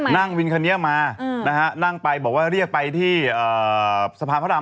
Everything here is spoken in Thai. นั่งวินคัทเนี๊ยะมาเรียกไปที่ทางสภารพระอาม๘